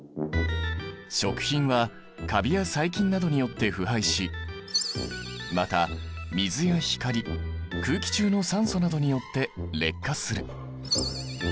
食品はカビや細菌などによって腐敗しまた水や光空気中の酸素などによって劣化する。